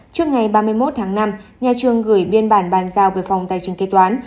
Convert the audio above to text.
trước ngày ba mươi một tháng năm nhà trường gửi biên bản bàn giao về phòng tài chính kế toán